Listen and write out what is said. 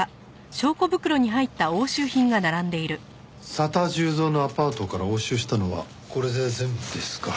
佐田重蔵のアパートから押収したのはこれで全部ですか。